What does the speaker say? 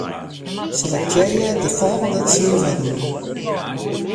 Selektearje folgjende tsien wurden.